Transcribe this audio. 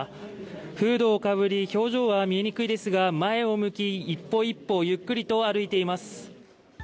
フードをかぶり表情は見にくいですが前を向き一歩一歩ゆっくりと歩いています。